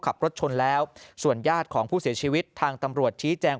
ขับรถชนแล้วส่วนญาติของผู้เสียชีวิตทางตำรวจชี้แจง